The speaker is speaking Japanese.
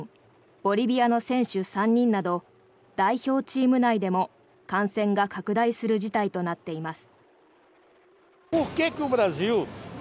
ボリビアの選手３人など代表チーム内でも感染が拡大する事態となっています。